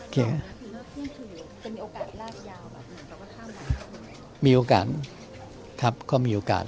ถ้ามีโอกาสครับก็มีโอกาส